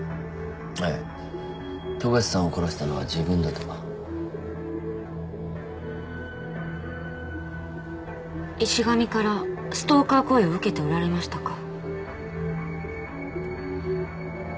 ええ富樫さんを殺したのは自分だと石神からストーカー行為を受けておられましたか？